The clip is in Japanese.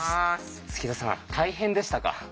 杉田さん大変でしたか？